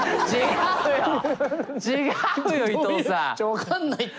分かんないって。